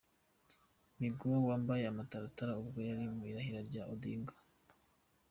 Miguna wambaye amataratara ubwo yari mu irahira rya Odinga.